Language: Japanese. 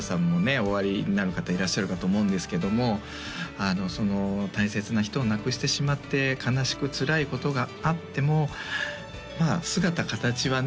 おありになる方いらっしゃるかと思うんですけどもその大切な人を亡くしてしまって悲しくつらいことがあっても姿形はね